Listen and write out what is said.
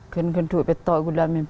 tidak saya sudah usir